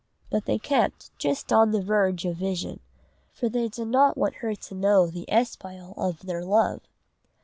But they kept just on the verge of vision, for they did not want her to know the espial of their love.